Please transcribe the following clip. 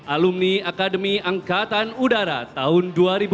alumni akademi angkatan udara tahun dua ribu empat